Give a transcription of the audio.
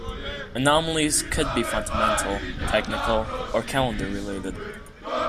Anomalies could be fundamental, technical, or calendar related.